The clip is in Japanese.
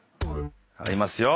ありますよ。